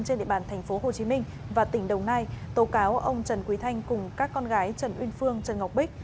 trên địa bàn tp hcm và tỉnh đồng nai tố cáo ông trần quý thanh cùng các con gái trần uyên phương trần ngọc bích